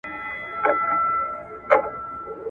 دا واقعیتونه د نهادونو په څېره کې څرګندیږي.